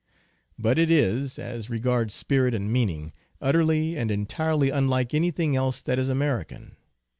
But it is, as regards spirit and meaning, utterly and entirely unlike anything else that is American.